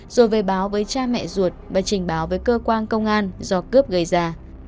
rồi về báo với cha mẹ ruột và trình báo với cơ quan công an do cướp gây ra